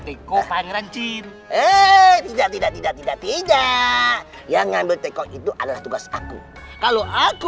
teko pangeran jir eh tidak tidak tidak tidak tidak yang ngambil teko itu adalah tugas aku kalau aku